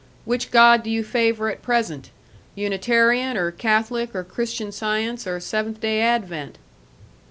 "Which god do you favor at present Unitarian or Catholic or Christian Science or Seventh Day Advent?"